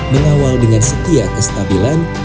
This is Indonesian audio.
mengawal dengan setia kestabilan